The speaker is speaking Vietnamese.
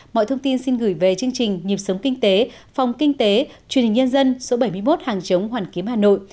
mọi thông tin xin gửi về chương trình nhịp sống kinh tế phòng kinh tế truyền hình nhân dân số bảy mươi một hàng chống hoàn kiếm hà nội